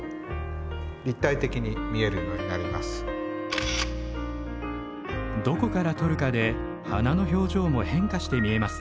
ポイントはどこから撮るかで花の表情も変化して見えますね。